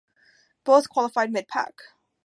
Both qualified mid-pack.